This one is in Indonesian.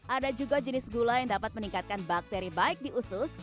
ada juga jenis gula yang dapat meningkatkan bakteri baik di usus